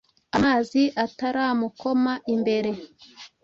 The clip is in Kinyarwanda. amazi ataramukoma imbere.